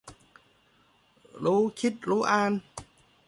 รู้คิดรู้อ่าน